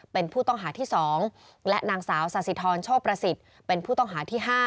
เป็นผู้ต้องหาที่สองและนางสาวสาธิธรณโชพระศิษย์เป็นผู้ต้องหาที่ห้า